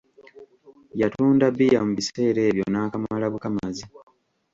Yatunda bbiya mu biseera ebyo n'akamala bukamazi.